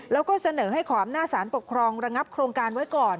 แล้วก็เสนอให้ขออำนาจสารปกครองระงับโครงการไว้ก่อน